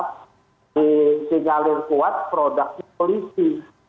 penyalir kuat produknya polisi